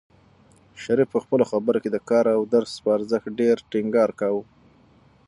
شریف په خپلو خبرو کې د کار او درس په ارزښت ډېر ټینګار کاوه.